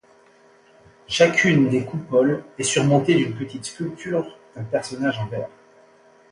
Chacune des coupoles est surmontée d'une petite sculpture d'un personnage en verre.